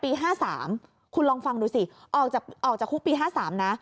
๕๓คุณลองฟังดูสิออกจากคุกปี๕๓นะ